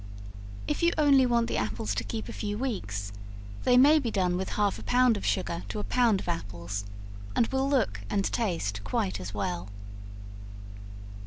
If you only want the apples to keep a few weeks, they may be done with half a pound of sugar to a pound of apples, and will look and taste quite as well.